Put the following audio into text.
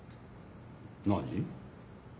何？